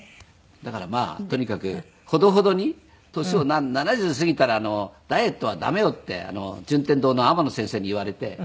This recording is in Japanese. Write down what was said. だからまあとにかくほとほどに年を「７０過ぎたらダイエットは駄目よ」って順天堂の天野先生に言われて。